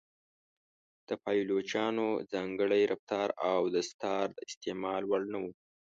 د پایلوچانو ځانګړی رفتار او دستار د استعمال وړ نه و.